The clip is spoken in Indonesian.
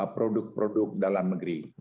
produk produk dalam negeri